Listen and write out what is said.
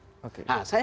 saya mau mengatakan apa